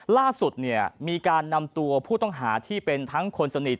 ล่าสุดเนี่ยมีการนำตัวผู้ต้องหาที่เป็นทั้งคนสนิท